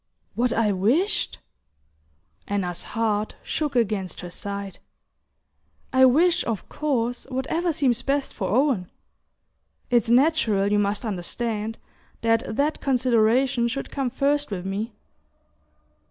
"What I wished?" Anna's heart shook against her side. "I wish, of course, whatever seems best for Owen... It's natural, you must understand, that that consideration should come first with me..."